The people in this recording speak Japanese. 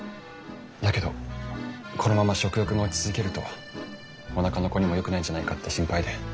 だけどこのまま食欲が落ち続けるとおなかの子にもよくないんじゃないかって心配で。